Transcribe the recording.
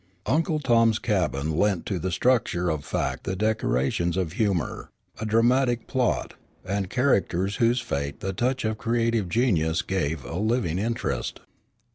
Uncle Tom's Cabin lent to the structure of fact the decorations of humor, a dramatic plot, and characters to whose fate the touch of creative genius gave a living interest.